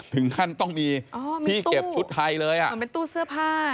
ถึงขั้นต้องมีพี่เก็บชุดไทยเลยอ่ะเหมือนเป็นตู้เสื้อผ้า